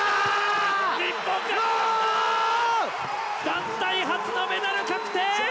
団体初のメダル確定！